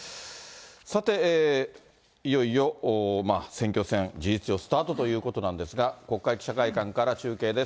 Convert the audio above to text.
さて、いよいよ選挙戦、事実上、スタートということなんですが、国会記者会館から中継です。